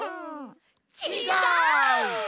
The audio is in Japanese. ちがう！